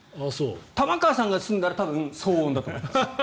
玉川さんが住んだら多分、騒音だと思います。